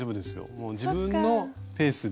もう自分のペースで。